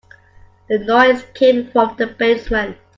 The noise came from the basement.